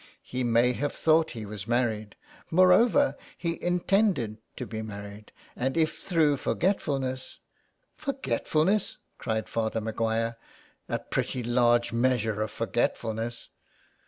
*' He may have thou^c^^ht he was married. Moreover, he intended to be married, and if through forgetful ness " 6i SOME PARISHIONERS. *' Forgetfulness ! "cried Father Maguire. "A pretty large measure of forgetfulness